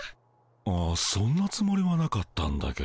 ああそんなつもりはなかったんだけど。